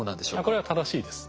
これは正しいです。